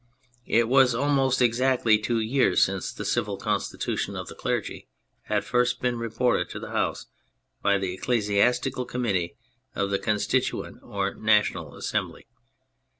It was almost exactly two years since the Civil Constitution of the Clergy had first been reported to the House by the Ecclesiastical Committee of the Constituent or National Assembly.